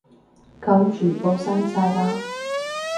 噉全部刪晒啦